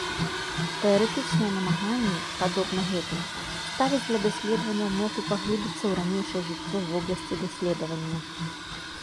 Тэарэтычныя намаганні, падобна гэтым, ставяць для даследаванняў мэту паглыбіцца ў ранейшае жыццё вобласці даследавання.